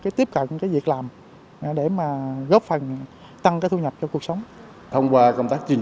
cái tiếp cận cái việc làm để mà góp phần tăng cái thu nhập cho cuộc sống thông qua công tác